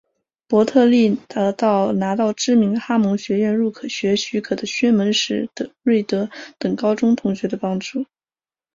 伯特利得到拿到知名哈蒙学院入学许可的薛门史瑞德等高中同学的帮助。